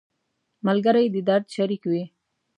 ملګری د درد شریک وي